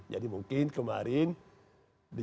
jadi mungkin kemarin dijadikan saja sebagai momen yang terakhir